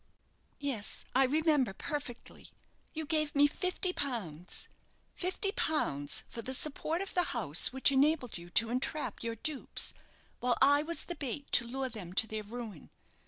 "Yes, I remember perfectly. You gave me fifty pounds fifty pounds for the support of the house which enabled you to entrap your dupes, while I was the bait to lure them to their ruin.